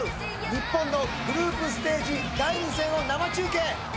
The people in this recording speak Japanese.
日本のグループステージ第２戦を生中継！